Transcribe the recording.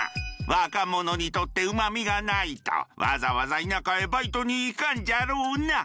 若者にとってうまみがないとわざわざ田舎へバイトに行かんじゃろうな。